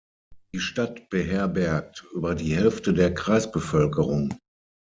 Die Stadt beherbergt über die Hälfte der Kreisbevölkerung.